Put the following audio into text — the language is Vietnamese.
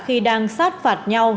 khi đang sát phạt nhau